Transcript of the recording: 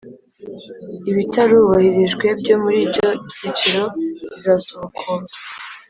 ibitarubahirijwe byo muri icyo cyiciro bizasubukurwa